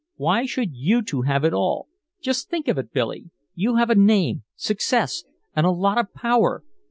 Why should you two have it all? Just think of it, Billy, you have a name, success and a lot of power!